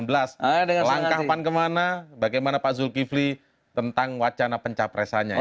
langkah kemana bagaimana pak zulkifli tentang wacana pencapresanya